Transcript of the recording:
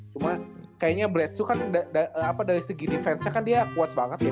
cuman kayaknya blesu kan dari segi defense kan dia kuat banget ya